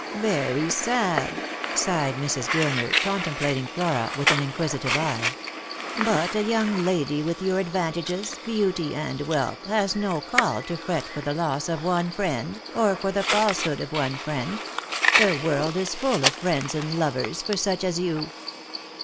" Yery sad," sighed Mrs. Gurner, contemplating Flora with an inquisitive eye. "But a young lady with your advantages, beauty, and wealth has no call to fret for the loss of one friend, or for the falsehood of one friend. The world is full of friends and lovers for such as you."